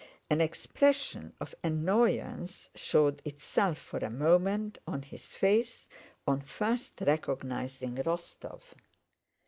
An expression of annoyance showed itself for a moment on his face on first recognizing Rostóv.